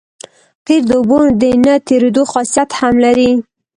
قیر د اوبو د نه تېرېدو خاصیت هم لري